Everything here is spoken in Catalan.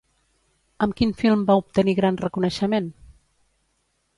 Amb quin film va obtenir gran reconeixement?